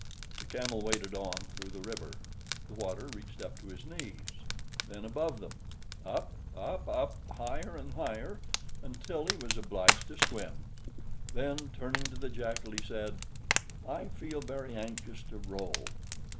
The Camel waded on through the river. The water reached up to his knees then above them up, up, up, higher and higher, until he was obliged to swim. Then turning to the Jackal, he said, "I feel very anxious to roll."